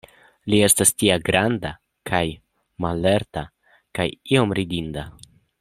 Li estas tia granda kaj mallerta, kaj iom ridinda.